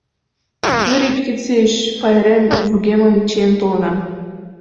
Мый репетицийыш пайрем вургемым чиен толынам.